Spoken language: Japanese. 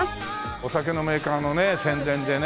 お酒のメーカーのね宣伝でね。